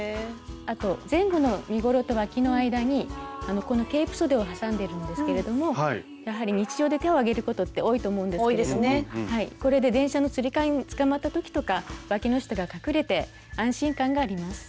あと前後の身ごろとわきの間にこのケープそでを挟んでるんですけれどもやはり日常で手を上げることって多いと思うんですけれどもこれで電車のつり革につかまった時とかわきの下が隠れて安心感があります。